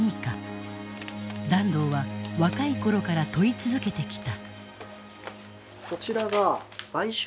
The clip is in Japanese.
團藤は若い頃から問い続けてきた。